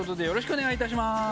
よろしくお願いします。